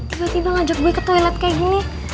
tiba tiba ngajak gue ke toilet kayak gini